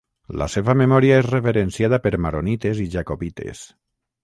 La seva memòria és reverenciada per maronites i jacobites.